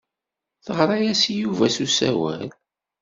Teɣra-as i Yuba s usawal.